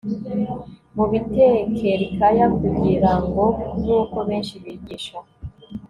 mubitekerkaya kugirango nkuko benshi bigisha